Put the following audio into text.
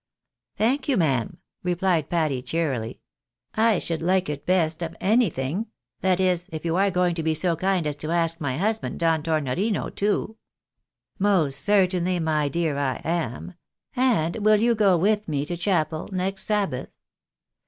" Thank you, ma'am," replied Patty, cheerily. " I should like it best of anything ; that is, if you are going to be so kind as to ask my husband, Don Tornorino, too ?"" Most certainly, my dear, I am. And will you go with me to chapel, next Sabbath?"